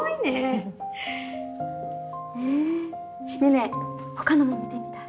えねぇねぇ他のも見てみたい。